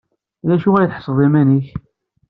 D acu ay tḥesbeḍ iman-nnek?